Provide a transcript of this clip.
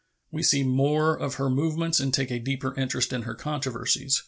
We see more of her movements and take a deeper interest in her controversies.